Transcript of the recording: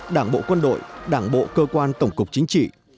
đảng bộ quân đội đảng bộ cơ quan tổng cục chính trị